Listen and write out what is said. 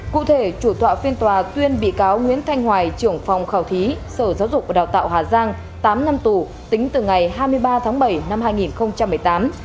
cụ thể chủ tọa phiên tòa tuyên bị cáo nguyễn thanh hoài trưởng phòng khảo thí sở giáo dục và đào tạo hà giang tám năm tù tính từ ngày hai mươi ba tháng bảy năm hai nghìn một mươi tám